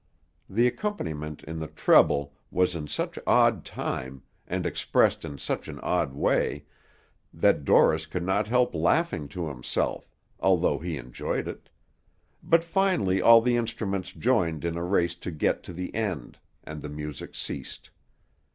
The accompaniment in the treble was in such odd time, and expressed in such an odd way, that Dorris could not help laughing to himself, although he enjoyed it; but finally all the instruments joined in a race to get to the end, and the music ceased.